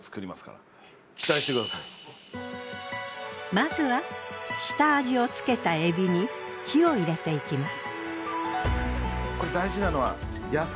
まずは下味をつけたエビに火を入れていきます。